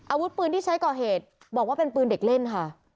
อาวุธปืนที่ใช้ก่อเหตุบอกว่าเป็นปืนเด็กเล่นค่ะ